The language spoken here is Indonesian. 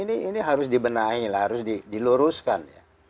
ini harus dibenahi harus diluruskan